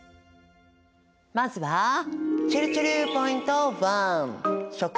まずはちぇるちぇるポイント